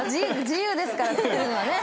自由ですから作るのはね。